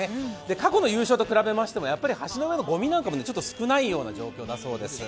過去の優勝と比べましても、橋の上のごみなども少ない状況のようです。